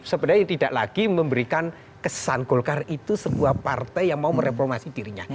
sebenarnya tidak lagi memberikan kesan golkar itu sebuah partai yang mau mereformasi dirinya